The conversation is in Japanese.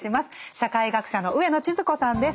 社会学者の上野千鶴子さんです。